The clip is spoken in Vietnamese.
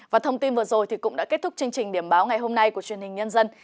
và thông tin vừa rồi cũng đã kết thúc chương trình điểm báo ngày hôm nay của truyền hình nhân dân